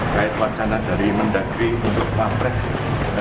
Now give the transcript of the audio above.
saya wacana dari mendagri untuk pak presiden